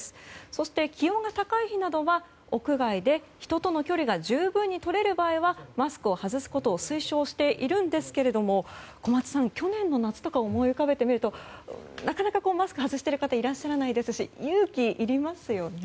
そして、気温が高い日などは屋外で人との距離が十分に取れる場合はマスクを外すことを推奨しているんですけれども小松さん去年の夏とかを思い浮かべるとなかなかマスクを外している方はいらっしゃらないし勇気がいりますよね。